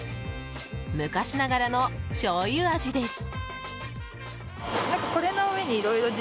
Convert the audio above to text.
昔ながらのしょうゆ味です。